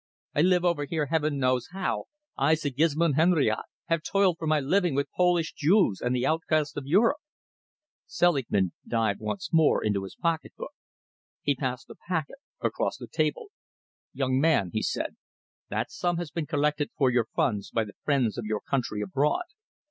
I live over here Heaven knows how I, Sigismund Henriote, have toiled for my living with Polish Jews and the outcasts of Europe." Selingman dived once more into his pocket book. He passed a packet across the table. "Young man," he said, "that sum has been collected for your funds by the friends of your country abroad.